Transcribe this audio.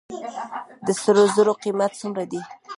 د سرو زرو قیمت څومره دی؟